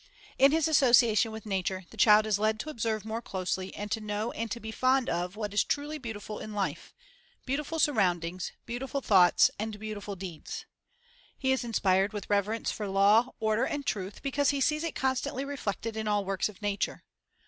In his association with nature, the child is led to observe more closely and to know and to be fond of what is truly beautiful in life beautiful surroundings, beautiful thoughts and beautiful deeds. He is inspired with reverence for law, order and truth because he sees it constantly reflected in all works of nature.